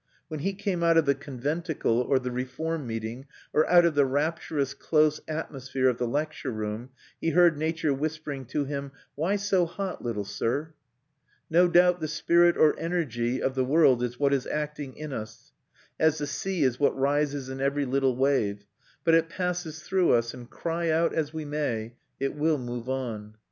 When he came out of the conventicle or the reform meeting, or out of the rapturous close atmosphere of the lecture room, he heard Nature whispering to him: "Why so hot, little sir?" No doubt the spirit or energy of the world is what is acting in us, as the sea is what rises in every little wave; but it passes through us, and cry out as we may, it will move on.